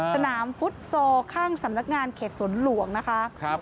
สนามฟุตซอลข้างสำนักงานเขตสวนหลวงนะคะ